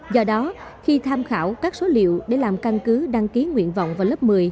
do đó khi tham khảo các số liệu để làm căn cứ đăng ký nguyện vọng vào lớp một mươi